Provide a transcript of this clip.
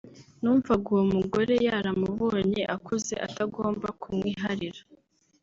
numvaga uwo mugore yaramubonye akuze atagomba kumwiharira